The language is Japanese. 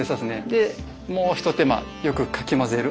でもう一手間よくかき混ぜる。